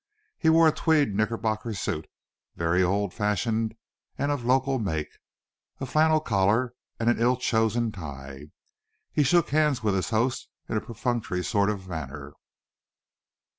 He wore a tweed knickerbocker suit, very old fashioned, and of local make, a flannel collar, and an ill chosen tie. He shook hands with his host in a perfunctory sort of manner.